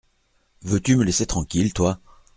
Veux-tu me laisser tranquille, toi !